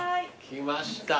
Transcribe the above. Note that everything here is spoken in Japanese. きました。